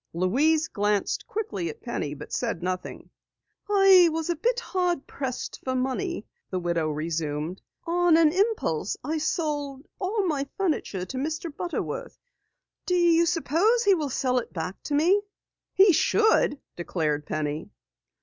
Louise glanced quickly at Penny but said nothing. "I was a bit hard pressed for money," the widow resumed. "On an impulse I sold all my furniture to Mr. Butterworth. Do you suppose he will sell it back to me?" "He should," declared Penny.